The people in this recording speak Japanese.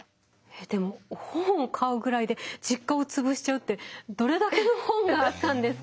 でも本を買うぐらいで実家を潰しちゃうってどれだけの本があったんですか？